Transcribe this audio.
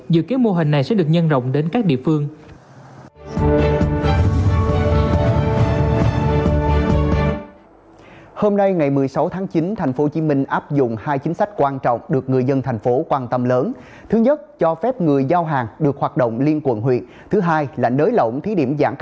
dự kiến mô hình này sẽ được nhân rộng đến các địa phương